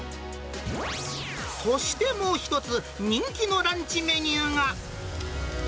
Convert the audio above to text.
そしてもう１つ、人気のランチメニューが。